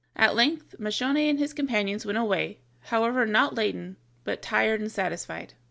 At length Moscione and his companions went away, however, not laden, but tired and satisfied.